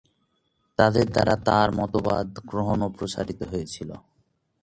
তাদের দ্বারা তাঁর মতবাদ গ্রহণ ও প্রসারিত হয়েছিল।